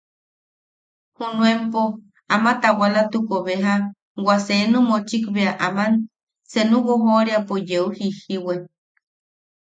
Junuenpo, ama a tawalatuko beja wa seenu mochik bea aman seenu wojoʼoriapo yeu jijjiwe.